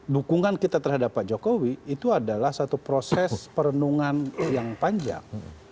dukungan kita terhadap pak jokowi itu adalah satu proses perenungan yang panjang